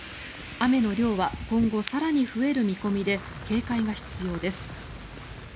雨の量は今後更に増える見込みで警戒が必要です。